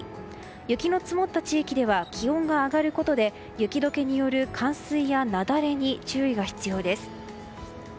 雪の積もった地域では気温が上がることで雪解けによる冠水や雪崩に注意が必要です。